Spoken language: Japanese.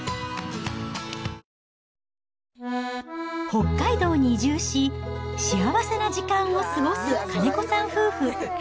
北海道に移住し、幸せな時間を過ごす金子さん夫婦。